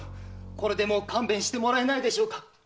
これでもう勘弁してもらえないでしょうか。